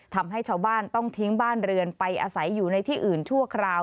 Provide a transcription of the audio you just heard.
ทำให้ชาวบ้านต้องทิ้งบ้านเรือนไปอาศัยอยู่ในที่อื่นชั่วคราว